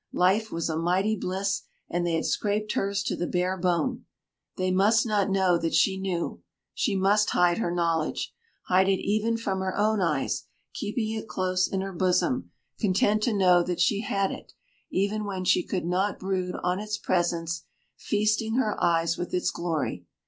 Life was a mighty bliss, and they had scraped hers to the bare bone. They must not know that she knew. She must hide her knowledge hide it even from her own eyes, keeping it close in her bosom, content to know that she had it, even when she could not brood on its presence, feasting her eyes with its glory.